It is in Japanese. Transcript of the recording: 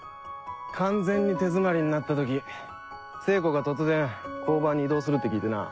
完全に手詰まりになった時聖子が突然交番に異動するって聞いてな。